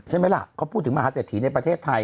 ใช่ไหมล่ะเขาพูดถึงมหาเศรษฐีในประเทศไทย